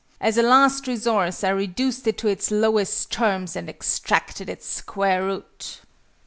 As a last resource, I reduced it to its lowest terms, and extracted its square root!"